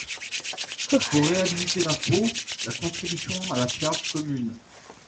Il faut réhabiliter l’impôt, la contribution à la charge commune.